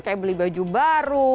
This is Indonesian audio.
kayak beli baju baru